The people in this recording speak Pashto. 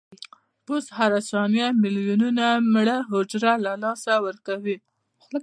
پوست هره ثانیه ملیونونه مړه حجرو له لاسه ورکوي.